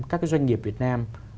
các cái doanh nghiệp việt nam